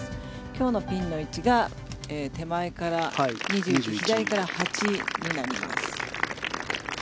今日のピンの位置が手前から２１左から８になります。